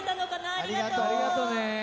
ありがとね。